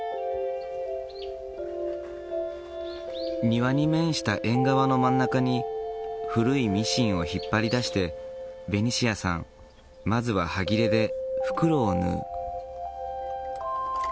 庭に面した縁側の真ん中に古いミシンを引っ張り出してベニシアさんまずははぎれで袋を縫う。